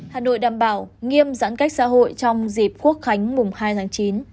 hà nội đảm bảo nghiêm giãn cách xã hội trong dịp quốc khánh mùng hai tháng chín